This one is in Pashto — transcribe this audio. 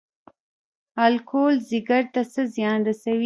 الکول ځیګر ته څه زیان رسوي؟